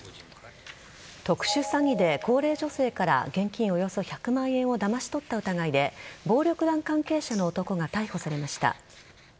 特殊詐欺で高齢女性から現金をおよそ１００万円をだまし取った疑いで暴力団関係者の男が逮捕されました。